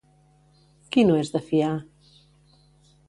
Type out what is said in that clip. Qui no és de fiar?